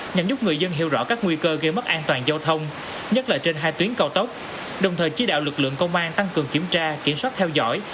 nhằm giúp người dân hiểu rõ các nguy cơ gây mất an toàn giao thông nhất là trên hai tuyến cao tốc đồng thời chỉ đạo lực lượng công an tăng cường kiểm tra kiểm soát theo dõi